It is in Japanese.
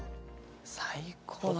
最高だな。